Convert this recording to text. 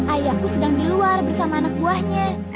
ayahku sedang di luar bersama anak buahnya